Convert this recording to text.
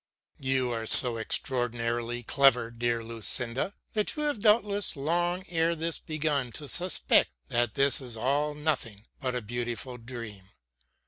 You are so extraordinarily clever, dearest Lucinda, that you have doubtless long ere this begun to suspect that this is all nothing but a beautiful dream.